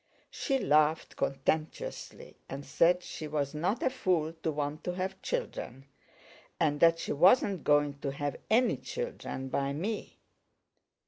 She laughed contemptuously and said she was not a fool to want to have children, and that she was not going to have any children by me."